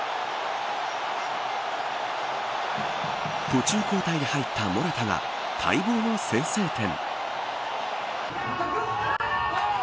途中交代で入ったモラタが待望の先制点。